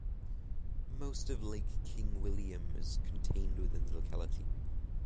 Most of Lake King William is contained within the locality.